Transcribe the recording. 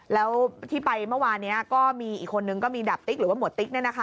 แล้วที่ไปเมื่อวานนี้ก็มีอีกคนนึงก็มีดาบติ๊กหรือว่าหวดติ๊ก